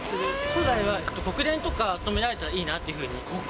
将来は国連とか勤められたらいいなっていうふうに。